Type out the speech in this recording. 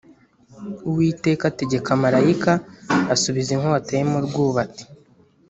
uwiteka ategeka malayika asubiza inkota ye mu rwubati